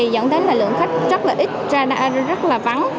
dẫn đến lượng khách rất ít rất là vắng